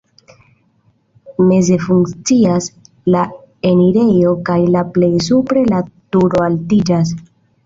Meze funkcias la enirejo kaj la plej supre la turo altiĝas.